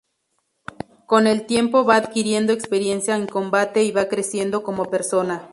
Con el tiempo va adquiriendo experiencia en combate y va creciendo como persona.